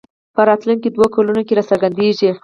په راتلونکو دوو کلونو کې راڅرګندېږي